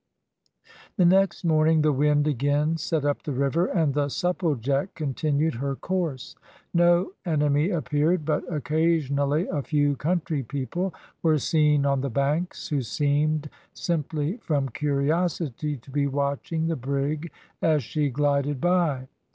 The next morning the wind again set up the river, and the Supplejack continued her course. No enemy appeared, but occasionally a few country people were seen on the banks, who seemed, simply from curiosity, to be watching the brig as she glided by.